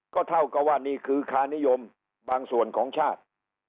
ก็เท่ากับว่านี่คือคานิยมบางส่วนของชาติ